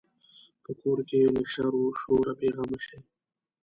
په کور کې یې له شر و شوره بې غمه شي.